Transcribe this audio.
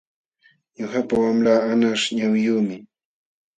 Ñuqapa wamlaa anqaśh ñawiyuqmi.